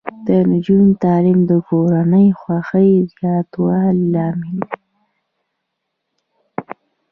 د نجونو تعلیم د کورنۍ خوښۍ زیاتولو لامل دی.